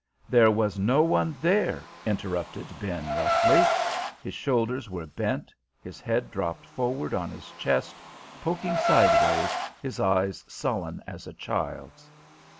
"There was no one there," interrupted Ben roughly. His shoulders were bent, his head dropped forward on his chest, poking sideways, his eyes sullen as a child's.